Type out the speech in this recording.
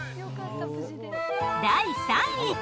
第３位。